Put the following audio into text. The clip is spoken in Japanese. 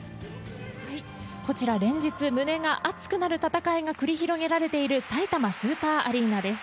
こちら連日、胸が熱くなる戦いが繰り広げられているさいたまスーパーアリーナです。